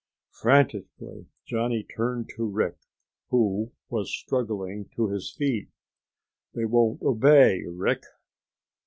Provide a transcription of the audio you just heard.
Frantically, Johnny turned to Rick, who was struggling to his feet. "They won't obey, Rick!"